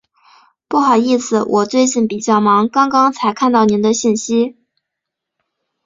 不好意思，我最近比较忙，刚刚才看到您的信息。